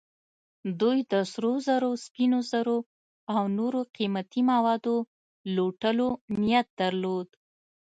دوی د سرو زرو، سپینو زرو او نورو قیمتي موادو لوټلو نیت درلود.